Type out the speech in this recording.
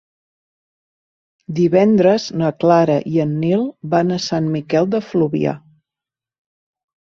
Divendres na Clara i en Nil van a Sant Miquel de Fluvià.